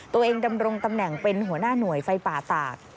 ดำรงตำแหน่งเป็นหัวหน้าหน่วยไฟป่าตาก